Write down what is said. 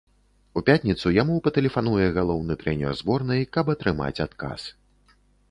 У пятніцу яму патэлефануе галоўны трэнер зборнай, каб атрымаць адказ.